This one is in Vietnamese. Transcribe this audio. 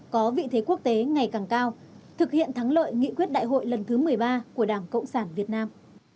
có vị thế quốc tế ngày càng cao thực hiện thắng lợi nghị quyết đại hội lần thứ một mươi ba của đảng cộng sản việt nam